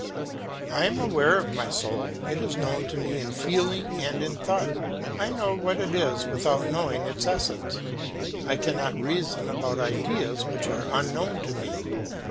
I am aware of my soul; it is known to me in feeling and in thought; I know what it is without knowing its essence; I cannot reason about ideas which are unknown to me.